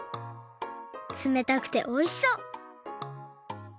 つめたくておいしそう！